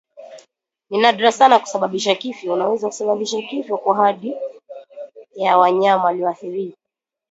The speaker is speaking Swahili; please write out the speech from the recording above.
Ni nadra sana kusababisha kifo Unaweza kusababisha kifo kwa hadi ya wanyama walioathirika